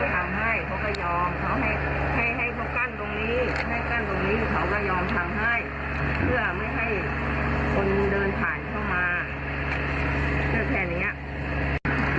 ให้เขากั้นตรงนี้เขาก็ยอมทางให้เพื่อไม่ให้คนเดินผ่านเข้ามาเพื่อแค่เนี้ย